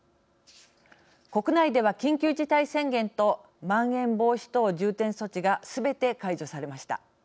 国内では、緊急事態宣言とまん延防止等重点措置がすべて解除されました。